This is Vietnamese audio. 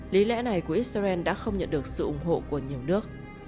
lý lẽ này của israel đã không nhận được sự ủng hộ của nhiều nước